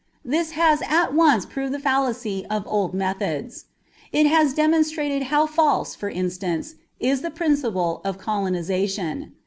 This has at once proved the fallacy of old methods. It has demonstrated how false, for instance, is the principle of colonization.